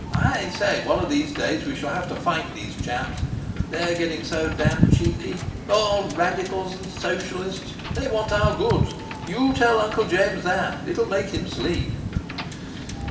I say, one of these days we shall have to fight these chaps, they're getting so damned cheeky—all radicals and socialists. They want our goods. You tell Uncle James that, it'll make him sleep."